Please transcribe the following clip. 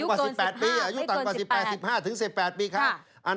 อายุต่ำกว่า๑๘ปี๑๐๐เรือกเกิน๑๕อย่าง